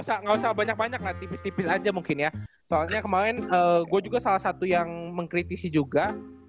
nggak usah banyak banyak lah tipis tipis aja mungkin ya soalnya kemarin gue juga salah satu yang mengkritisi juga